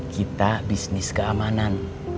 kita bisnis keamanan